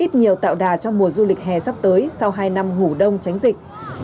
ít nhiều tạo đà cho mùa du lịch hè sắp tới sau hai năm ngủ đông tránh dịch